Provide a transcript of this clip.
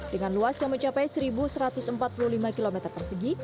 dengan luas yang mencapai satu satu ratus empat puluh lima km persegi